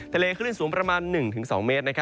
ทะเลคลื่นสูงประมาณ๑๒เมตร